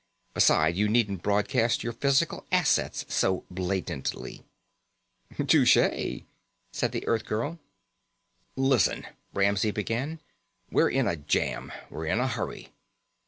Besides, you needn't broadcast your physical assets so blatantly." "Touché," said the Earthgirl. "Listen," Ramsey began. "We're in a jam. We're in a hurry."